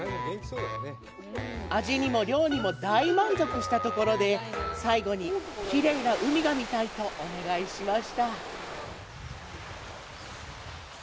味にも量にも大満足したところで最後にきれいな海が見たいとお願いしました。